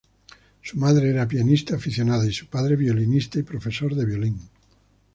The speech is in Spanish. Su madre era pianista aficionada y su padre violinista y profesor de violín.